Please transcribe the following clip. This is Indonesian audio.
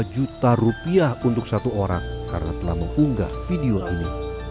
dua juta rupiah untuk satu orang karena telah mengunggah video ini